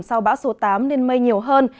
sau bão số tám nên mây nhiều hơn